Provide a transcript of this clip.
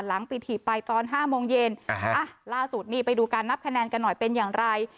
หลังปิดถีบไปตอน๕โมงเย็นล่าสุดนี่ไปดูการนับคะแนนกันหน่อยเป็นอย่างไร